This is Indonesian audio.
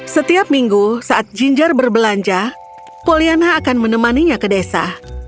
setiap minggu saat ginger berbelanja pollyanna akan menemannya ke desa